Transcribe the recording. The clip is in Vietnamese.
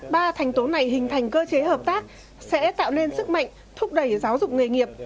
ba thành tố này hình thành cơ chế hợp tác sẽ tạo nên sức mạnh thúc đẩy giáo dục nghề nghiệp